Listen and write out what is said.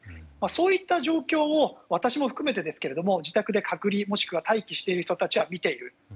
そういった状況を私も含めてですけれども自宅で隔離、もしくは待機している人たちは見ている。